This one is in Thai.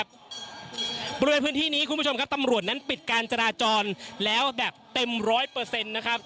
บริเวณพื้นที่นี้คุณผู้ชมครับตำรวจนั้นปิดการจราจรแล้วแบบเต็มร้อยเปอร์เซ็นต์นะครับ